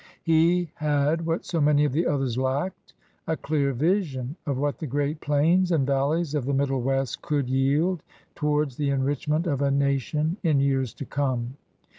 He had, what so many of the others lacked, a dear vision of what the great plains and valleys of the Middle West could yield towards the enrich ment of a nation in years to come.